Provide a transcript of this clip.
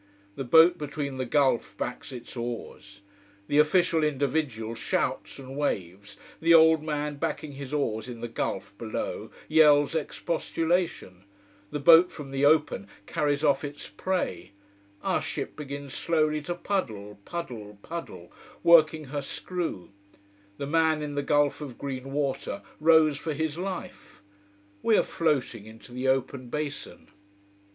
The boat between the gulf backs its oars. The official individual shouts and waves, the old man backing his oars in the gulf below yells expostulation, the boat from the open carries off its prey, our ship begins slowly to puddle puddle puddle, working her screw, the man in the gulf of green water rows for his life we are floating into the open basin.